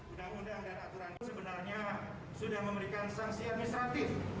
undang undang dan aturan ini sebenarnya sudah memberikan sanksi administratif